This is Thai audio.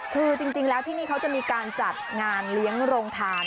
คือจริงแล้วที่นี่เขาจะมีการจัดงานเลี้ยงโรงทาน